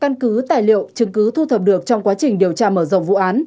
căn cứ tài liệu chứng cứ thu thập được trong quá trình điều tra mở rộng vụ án